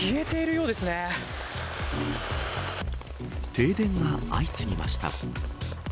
停電が相次ぎました。